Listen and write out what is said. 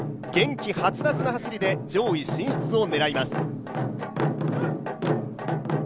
元気はつらつな走りで上位進出を狙います。